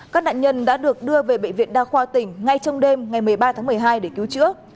các nạn nhân đã được đưa về bệnh viện đa khoa tỉnh ngay trong đêm ngày một mươi ba tháng một mươi hai để cứu chữa